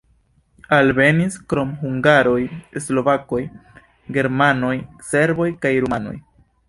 Alvenis krom hungaroj slovakoj, germanoj, serboj kaj rumanoj.